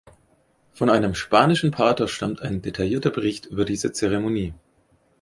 Von einem spanischen Pater stammt ein detaillierter Bericht über diese Zeremonie.